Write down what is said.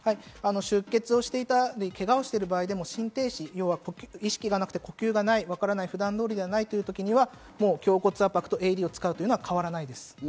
出血をしていたり、けがをしている場合でも心停止、意識がなくて、呼吸がない、普段通りではないというときは胸骨圧迫とＡＥＤを使うのは変わらないです。